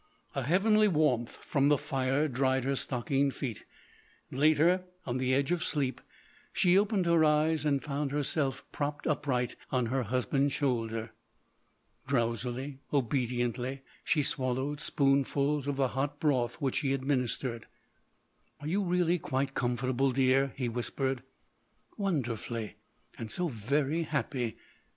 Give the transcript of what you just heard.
A heavenly warmth from the fire dried her stockinged feet. Later, on the edge of sleep, she opened her eyes and found herself propped upright on her husband's shoulder. Drowsily, obediently she swallowed spoonfuls of the hot broth which he administered. "Are you really quite comfortable, dear?" he whispered. "Wonderfully.... And so very happy....